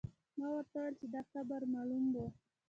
ما ورته وویل چې دا قبر معلوم و.